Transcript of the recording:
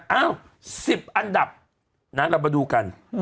เอ้า๑๐อันดับเรามาดูกัน